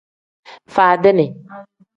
Faadini.